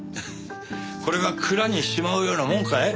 これが蔵にしまうようなもんかい？